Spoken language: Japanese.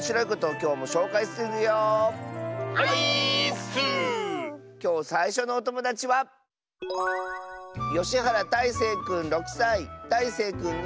きょうさいしょのおともだちはたいせいくんの。